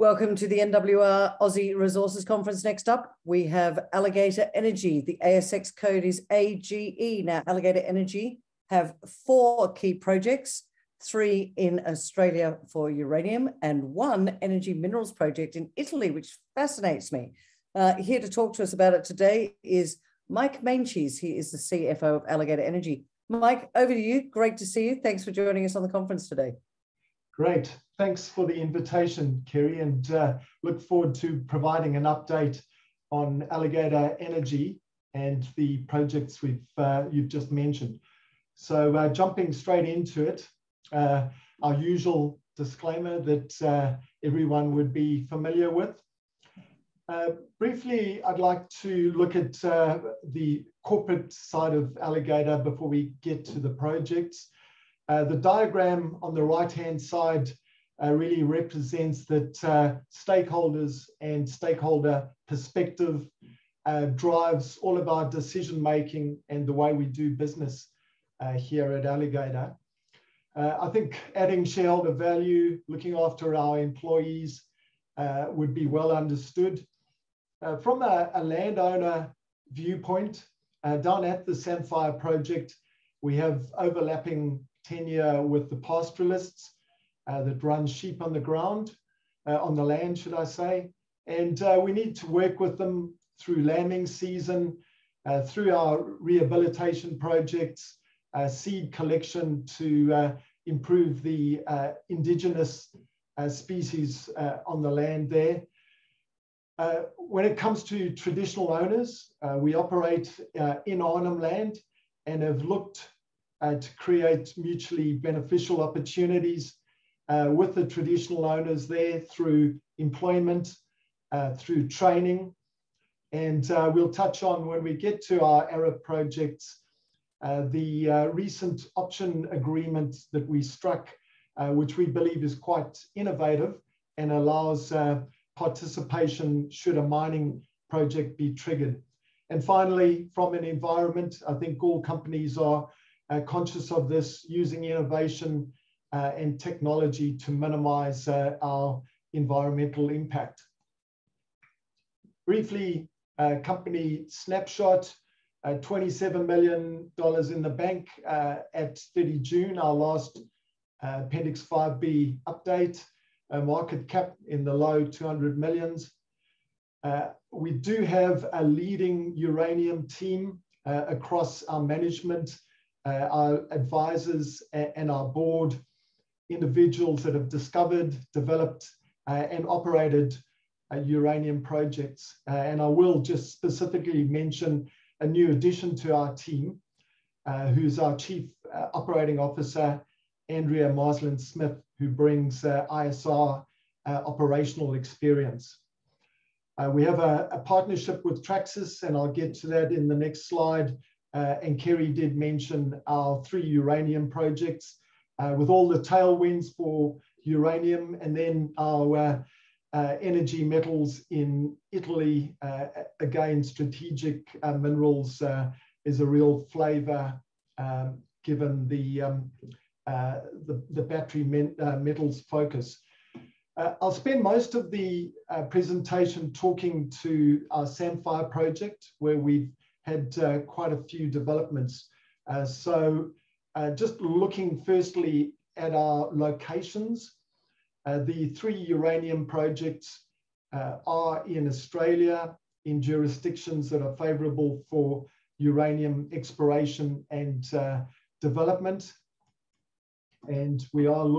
Welcome to the NWR Aussie Resources Conference. Next up, we have Alligator Energy. The ASX code is AGE. Now, Alligator Energy have four key projects. Three in Australia for uranium, and one energy minerals project in Italy, which fascinates me. Here to talk to us about it today is Mike Meintjes. He is the CFO of Alligator Energy. Mike, over to you. Great to see you. Thanks for joining us on the conference today. Great. Thanks for the invitation, Kerry, and look forward to providing an update on Alligator Energy and the projects you've just mentioned. Jumping straight into it. Our usual disclaimer that everyone would be familiar with. Briefly I'd like to look at the corporate side of Alligator before we get to the projects. The diagram on the right-hand side really represents that stakeholder perspective drives all of our decision-making and the way we do business here at Alligator. I think adding shareholder value, looking after our employees, would be well understood. From a landowner viewpoint, down at the Samphire project, we have overlapping tenure with the pastoralists that run sheep on the ground, on the land should I say. We need to work with them through lambing season, through our rehabilitation projects, seed collection to improve the indigenous species on the land there. When it comes to traditional owners, we operate in Arnhem Land and have looked to create mutually beneficial opportunities with the traditional owners there through employment, through training. We'll touch on when we get to our ARUP projects, the recent option agreements that we struck, which we believe is quite innovative and allows participation should a mining project be triggered. Finally, from an environment, I think all companies are conscious of this, using innovation and technology to minimize our environmental impact. Briefly, a company snapshot. 27 million dollars in the bank at 30 June, our last Appendix 5B update. A market cap in the low 200 million. We do have a leading uranium team across our management, our advisors and our board. Individuals that have discovered, developed, and operated uranium projects. I will just specifically mention a new addition to our team, who's our Chief Operating Officer, Andrea Marsland-Smith, who brings ISR operational experience. We have a partnership with Traxys, and I'll get to that in the next slide. Kerry did mention our three uranium projects with all the tailwinds for uranium and then our energy metals in Italy. Again, strategic minerals is a real flavor given the battery metals focus. I'll spend most of the presentation talking to our Samphire project, where we've had quite a few developments. Just looking firstly at our locations. The three uranium projects are in Australia in jurisdictions that are favorable for uranium exploration and development. We have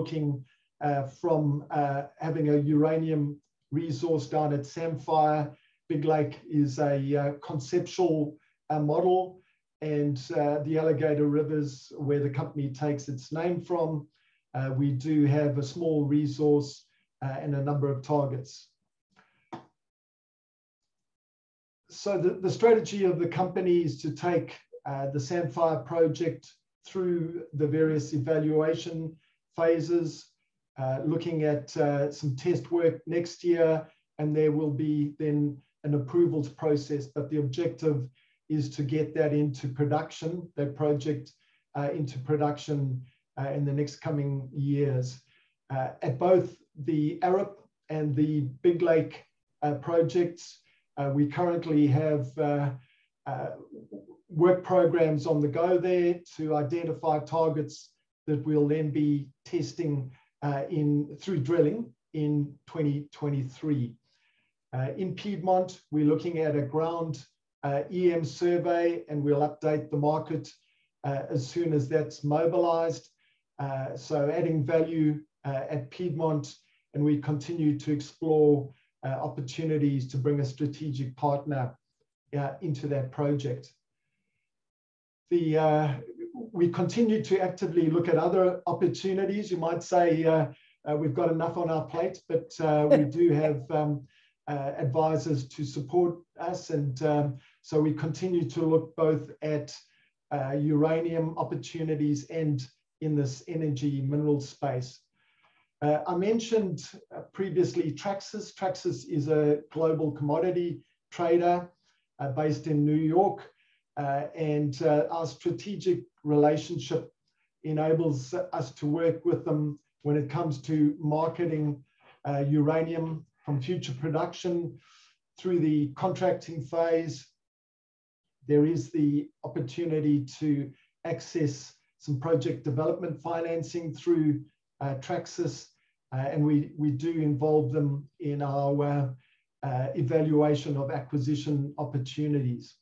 a uranium resource down at Samphire. Big Lake is a conceptual model. The Alligator Rivers, where the company takes its name from, we do have a small resource and a number of targets. The strategy of the company is to take the Samphire project through the various evaluation phases. Looking at some test work next year, and then there will be an approvals process. The objective is to get that project into production in the next coming years. At both the ARUP and the Big Lake projects, we currently have work programs on the go there to identify targets that we'll then be testing through drilling in 2023. In Piedmont, we're looking at a ground EM survey, and we'll update the market as soon as that's mobilized. Adding value at Piedmont, and we continue to explore opportunities to bring a strategic partner into that project. We continue to actively look at other opportunities. You might say we've got enough on our plate, but We do have advisors to support us and so we continue to look both at uranium opportunities and in this energy mineral space. I mentioned previously Traxys. Traxys is a global commodity trader based in New York. Our strategic relationship enables us to work with them when it comes to marketing uranium from future production through the contracting phase. There is the opportunity to access some project development financing through Traxys. We do involve them in our evaluation of acquisition opportunities.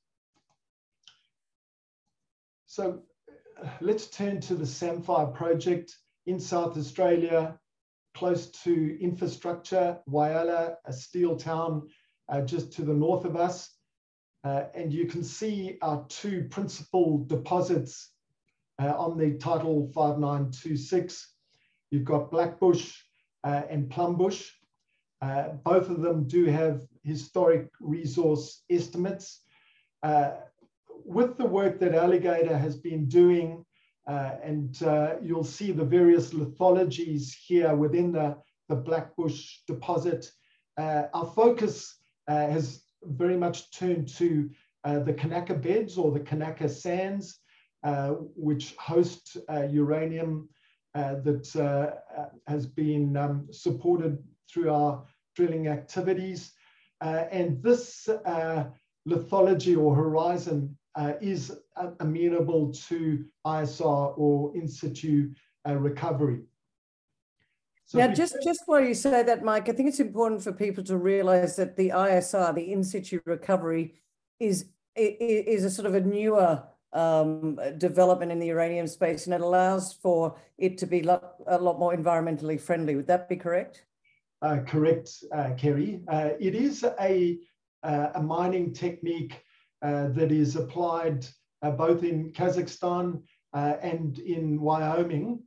Let's turn to the Samphire project in South Australia, close to infrastructure, Whyalla, a steel town just to the north of us. You can see our two principal deposits on the EL 5926. You've got Blackbush and Plumbush. Both of them do have historic resource estimates. With the work that Alligator has been doing, and you'll see the various lithologies here within the Blackbush deposit. Our focus has very much turned to the Kanaka Beds or the Kanaka Sands, which host uranium that has been supported through our drilling activities. This lithology or horizon is amenable to ISR or in-situ recovery. Now just while you say that, Mike, I think it's important for people to realize that the ISR, the in-situ recovery, is a sort of a newer development in the uranium space, and it allows for it to be a lot more environmentally friendly. Would that be correct? Correct, Kerry. It is a mining technique that is applied both in Kazakhstan and in Wyoming.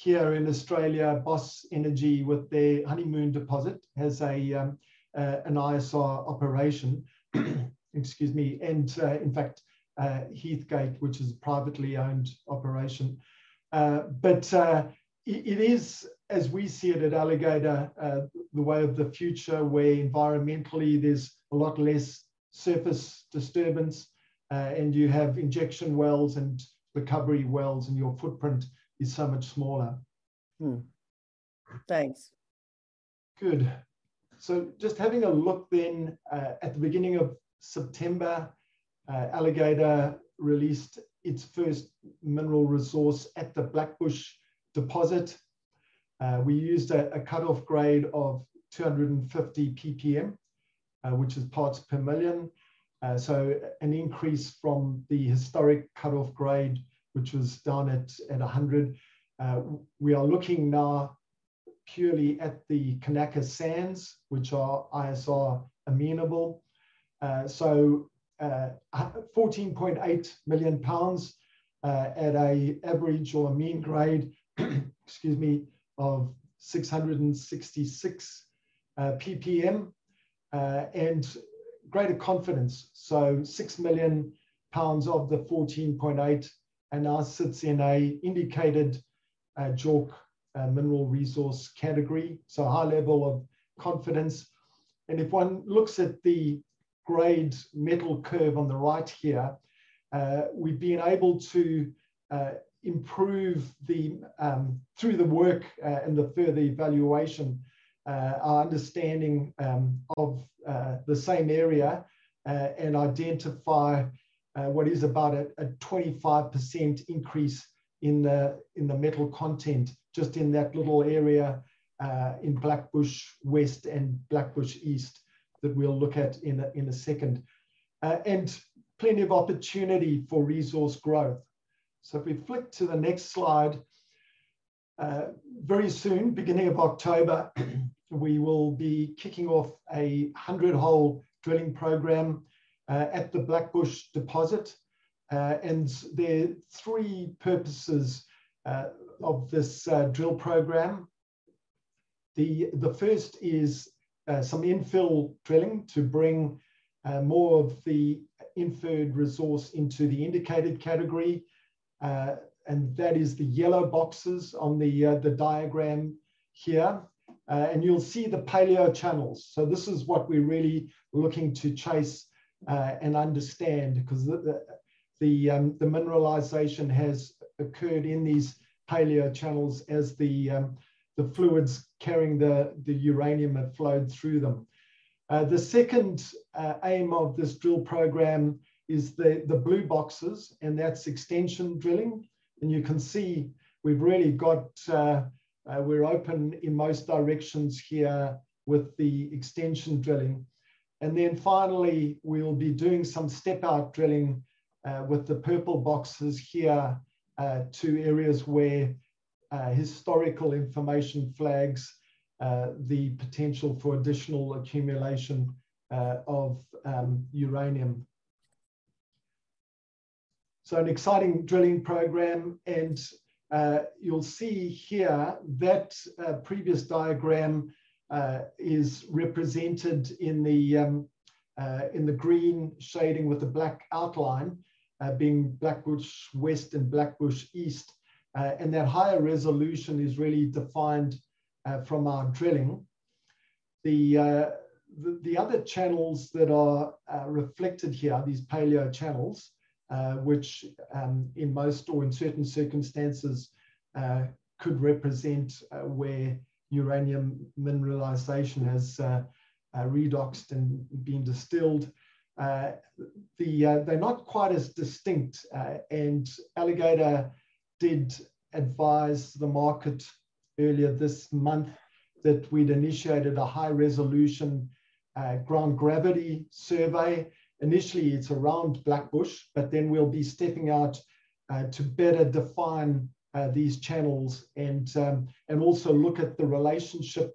Here in Australia, Boss Energy with their Honeymoon Deposit has an ISR operation. Excuse me. In fact, Heathgate Resources, which is a privately owned operation. It is, as we see it at Alligator Energy, the way of the future, where environmentally there's a lot less surface disturbance, and you have injection wells and recovery wells, and your footprint is so much smaller. Thanks. Good. Just having a look then at the beginning of September, Alligator released its first mineral resource at the Blackbush deposit. We used a cutoff grade of 250 PPM, which is parts per million. An increase from the historic cutoff grade, which was done at 100. We are looking now purely at the Kanaka sands, which are ISR amenable. 14.8 million pounds at an average or a mean grade, excuse me, of 666 PPM and greater confidence. 6 million pounds of the 14.8 and now sits in an indicated JORC mineral resource category, so a high level of confidence. If one looks at the grade metal curve on the right here, we've been able to improve through the work and the further evaluation our understanding of the Samphire. And identify what is about a 25% increase in the metal content, just in that little area in Blackbush West and Blackbush East that we'll look at in a second. Plenty of opportunity for resource growth. If we flick to the next slide. Very soon, beginning of October, we will be kicking off a 100-hole drilling program at the Blackbush deposit. There are three purposes of this drill program. The first is some infill drilling to bring more of the inferred resource into the indicated category. That is the yellow boxes on the diagram here. You'll see the paleo channels. This is what we're really looking to chase and understand, 'cause the mineralization has occurred in these paleo channels as the fluids carrying the uranium have flowed through them. The second aim of this drill program is the blue boxes, and that's extension drilling. You can see we're open in most directions here with the extension drilling. Finally, we'll be doing some step-out drilling with the purple boxes here to areas where historical information flags the potential for additional accumulation of uranium. An exciting drilling program and you'll see here that previous diagram is represented in the green shading with the black outline, being Blackbush West and Blackbush East. That higher resolution is really defined from our drilling. The other channels that are reflected here, these paleo channels, which in most or in certain circumstances could represent where uranium mineralization has redoxed and been distilled. They're not quite as distinct. Alligator did advise the market earlier this month that we'd initiated a high-resolution ground gravity survey. Initially it's around Blackbush, but then we'll be stepping out to better define these channels and also look at the relationship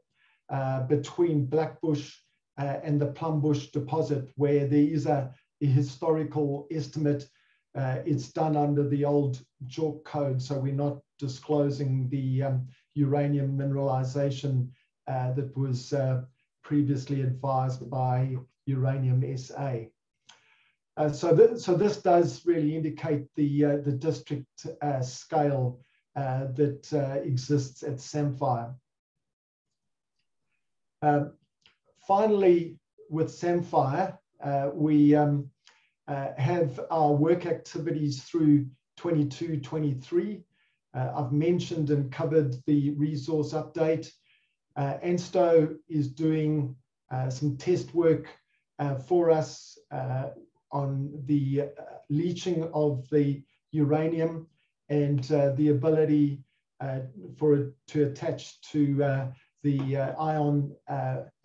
between Blackbush and the Plumbush deposit where there is a historical estimate. It's done under the old JORC Code, so we're not disclosing the uranium mineralization that was previously advised by Uranium SA. So this does really indicate the district scale that exists at Samphire. Finally with Samphire, we have our work activities through 2022, 2023. I've mentioned and covered the resource update. ANSTO is doing some test work for us on the leaching of the uranium and the ability for it to attach to the ion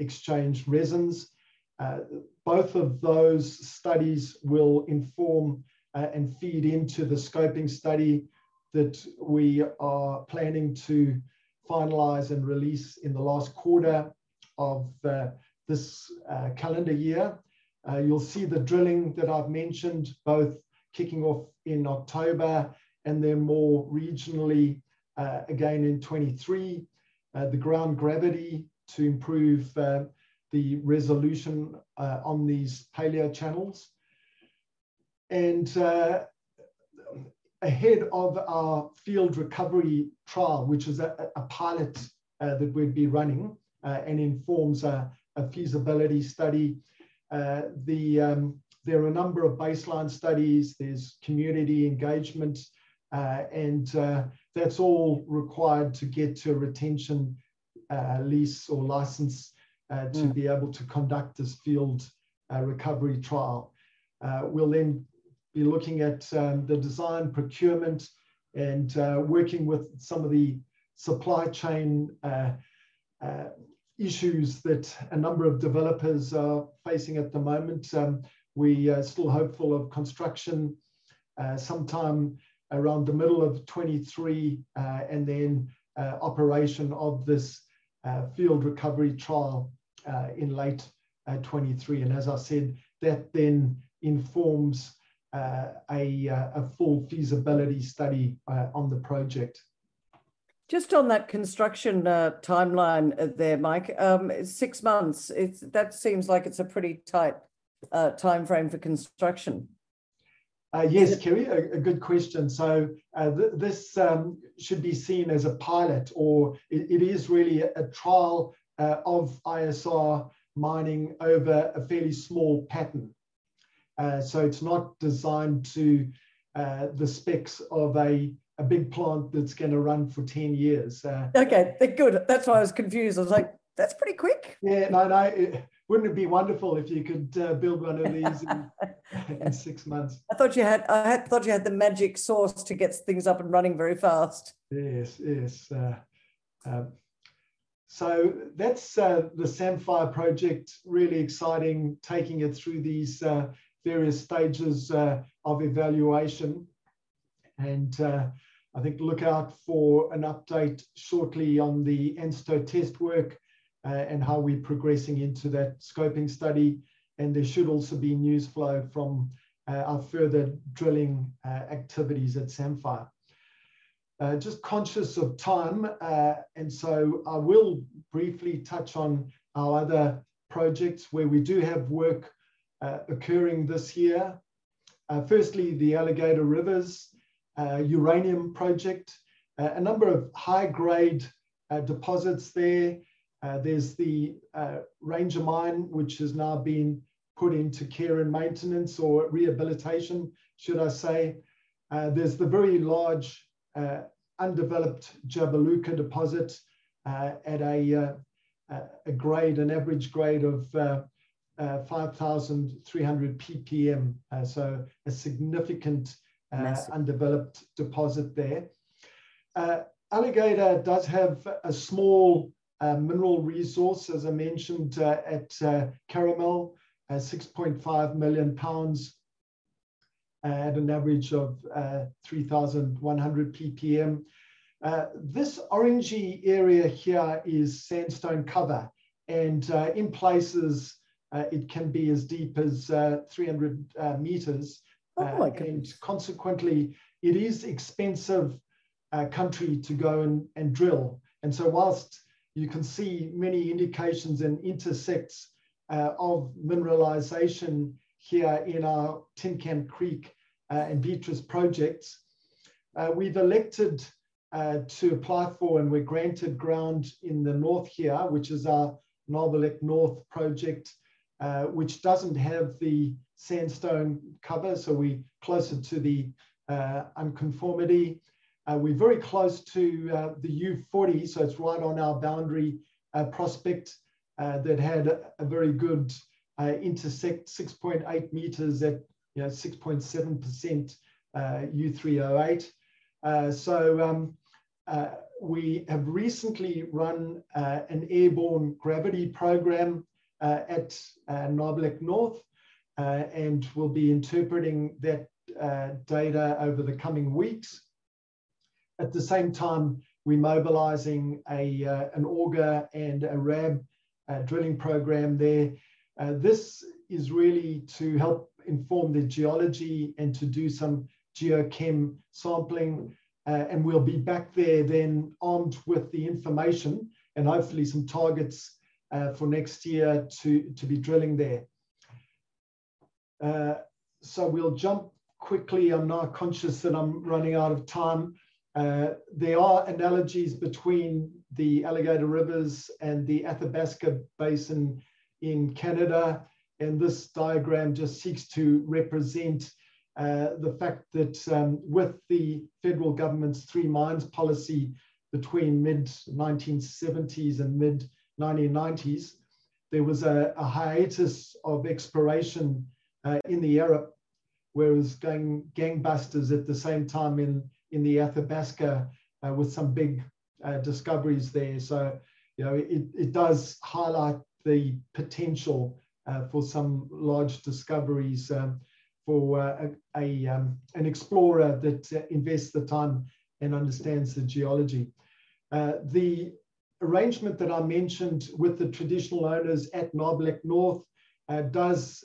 exchange resins. Both of those studies will inform and feed into the scoping study that we are planning to finalize and release in the last quarter of this calendar year. You'll see the drilling that I've mentioned, both kicking off in October and then more regionally again in 2023. The ground gravity to improve the resolution on these palaeochannels. Ahead of our field recovery trial, which is a pilot that we'd be running and informs a feasibility study. There are a number of baseline studies. There's community engagement. That's all required to get to a retention lease or license. Mm To be able to conduct this field recovery trial. We'll then be looking at the design procurement and working with some of the supply chain issues that a number of developers are facing at the moment. We are still hopeful of construction sometime around the middle of 2023. Operation of this field recovery trial in late 2023. As I said, that then informs a full feasibility study on the project. Just on that construction timeline there, Mike. 6 months, it seems like it's a pretty tight timeframe for construction. Yes, Kerry. A good question. This should be seen as a pilot, or it is really a trial of ISR mining over a fairly small pattern. It's not designed to the specs of a big plant that's gonna run for 10 years. Okay. Good. That's why I was confused. I was like, "That's pretty quick. Yeah. No, no, wouldn't it be wonderful if you could build one of these in six months? I thought you had the magic sauce to get things up and running very fast. Yes. Yes. That's the Samphire project. Really exciting taking it through these various stages of evaluation. I think look out for an update shortly on the ANSTO test work and how we're progressing into that scoping study, and there should also be news flow from our further drilling activities at Samphire. Just conscious of time, I will briefly touch on our other projects where we do have work occurring this year. Firstly the Alligator Rivers uranium project. A number of high-grade deposits there. There's the Ranger mine, which has now been put into care and maintenance or rehabilitation, should I say. There's the very large undeveloped Jabiluka deposit at an average grade of 5,300 PPM. A significant Massive Undeveloped deposit there. Alligator does have a small mineral resource, as I mentioned, at Caramal. 6.5 million lbs at an average of 3,100 PPM. This orangey area here is sandstone cover. In places, it can be as deep as 300 m. Oh, my goodness. Consequently, it is expensive country to go and drill. While you can see many indications and intercepts of mineralization here in our Tin Can Creek and Beatrice projects, we've elected to apply for and were granted ground in the north here, which is our Nabarlek North project, which doesn't have the sandstone cover, so we're closer to the unconformity. We're very close to the U40, so it's right on our boundary prospect that had a very good intercept, 6.8 meters at, you know, 6.7% U3O8. So we have recently run an airborne gravity program at Nabarlek North, and we'll be interpreting that data over the coming weeks. At the same time, we're mobilizing an auger and a RAB drilling program there. This is really to help inform the geology and to do some geochem sampling. We'll be back there then armed with the information, and hopefully some targets for next year to be drilling there. We'll jump quickly. I'm now conscious that I'm running out of time. There are analogies between the Alligator Rivers and the Athabasca Basin in Canada, and this diagram just seeks to represent the fact that with the federal government's Three Mines Policy between mid-1970s and mid-1990s, there was a hiatus of exploration in the area, whereas going gangbusters at the same time in the Athabasca with some big discoveries there. You know, it does highlight the potential for some large discoveries for an explorer that invests the time and understands the geology. The arrangement that I mentioned with the traditional owners at Nabarlek North does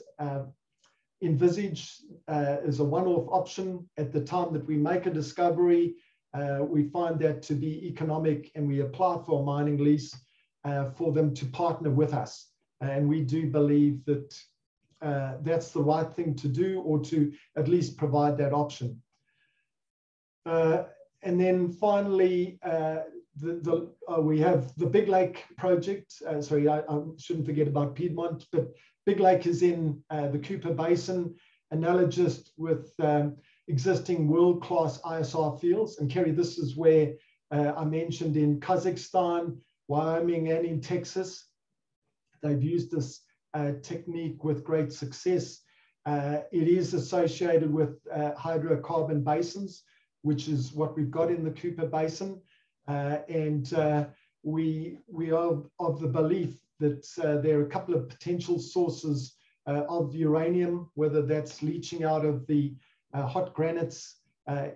envisage as a one-off option at the time that we make a discovery, we find that to be economic, and we apply for a mining lease for them to partner with us. We do believe that that's the right thing to do, or to at least provide that option. Finally, we have the Big Lake project. Sorry, I shouldn't forget about Piedmont. Big Lake is in the Cooper Basin, analogous with existing world-class ISR fields. Kerry, this is where I mentioned in Kazakhstan, Wyoming, and in Texas, they've used this technique with great success. It is associated with hydrocarbon basins, which is what we've got in the Cooper Basin. We are of the belief that there are a couple of potential sources of uranium, whether that's leaching out of the hot granites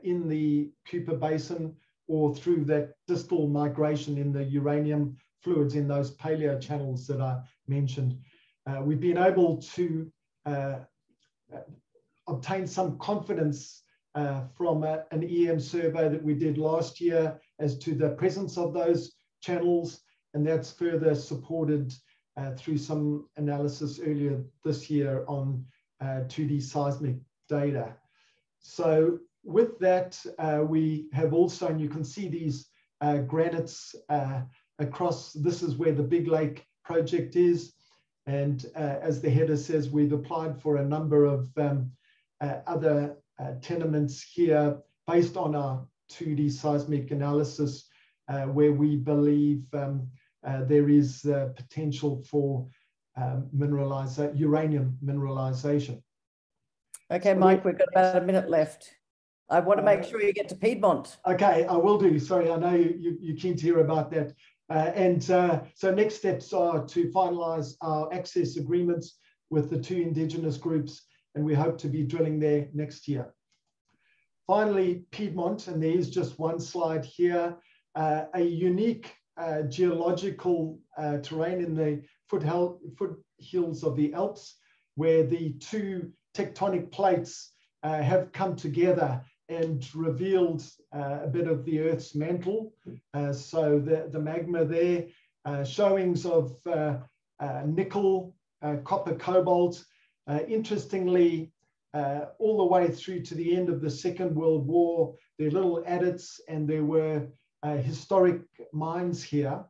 in the Cooper Basin, or through that distal migration in the uranium fluids in those paleo-channels that I mentioned. We've been able to obtain some confidence from an EM survey that we did last year as to the presence of those channels, and that's further supported through some analysis earlier this year on 2D seismic data. With that, you can see these granites across. This is where the Big Lake Project is. As the header says, we've applied for a number of other tenements here based on our 2D seismic analysis, where we believe there is potential for uranium mineralization. Okay, Mike. So we- We've got about a minute left. All right. I want to make sure you get to Piedmont. Okay, I will do. Sorry, I know you're keen to hear about that. Next steps are to finalize our access agreements with the two indigenous groups, and we hope to be drilling there next year. Finally, Piedmont, and there is just one slide here. A unique geological terrain in the foothills of the Alps, where the two tectonic plates have come together and revealed a bit of the Earth's mantle. The magma there. Showings of nickel, copper, cobalt. Interestingly, all the way through to the end of the Second World War, there are little adits, and there were historic mines here.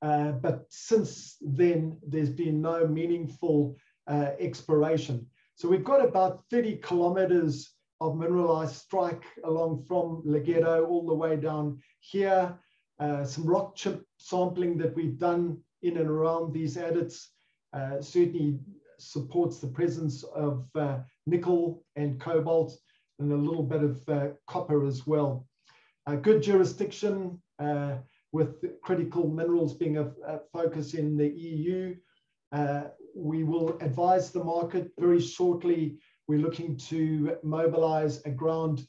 But since then, there's been no meaningful exploration. We've got about 30 kilometers of mineralized strike along from Legado all the way down here. Some rock chip sampling that we've done in and around these adits certainly supports the presence of nickel and cobalt, and a little bit of copper as well. Good jurisdiction with critical minerals being a focus in the EU. We will advise the market very shortly. We're looking to mobilize a ground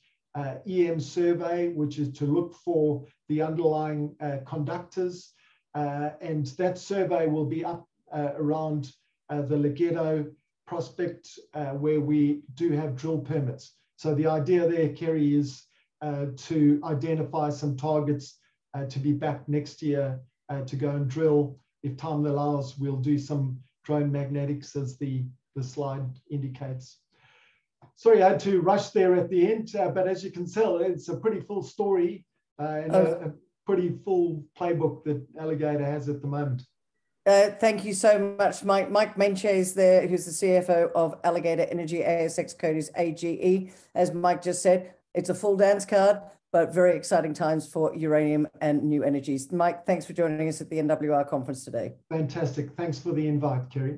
EM survey, which is to look for the underlying conductors. That survey will be up around the Legado prospect, where we do have drill permits. The idea there, Kerry, is to identify some targets to be back next year to go and drill. If time allows, we'll do some drone magnetics, as the slide indicates. Sorry I had to rush there at the end, but as you can tell, it's a pretty full story. Oh a pretty full playbook that Alligator has at the moment. Thank you so much, Mike. Mike Meintjes is there, who's the CFO of Alligator Energy. ASX code is AGE. As Mike just said, it's a full dance card, but very exciting times for uranium and new energies. Mike, thanks for joining us at the NWR conference today. Fantastic. Thanks for the invite, Kerry.